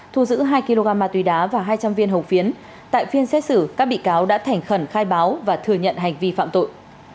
thu giữ hai kg ma túy đá và hai trăm linh viên hồng phiến tại phiên xét xử các bị cáo đã thành khẩn khai báo và thừa nhận hành vi phạm tội